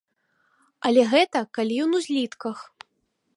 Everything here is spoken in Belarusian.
Але гэта калі ён у злітках.